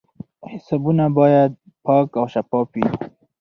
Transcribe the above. حسابونه باید پاک او شفاف وي.